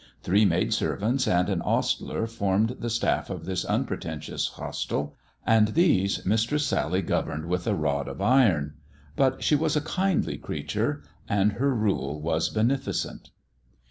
Three maid servants and an ostler formed the staff of this unpretentious hostel, and these Mistress Sally governed with a rod of iron. But she was a kindly creature, and her rule was beneficent.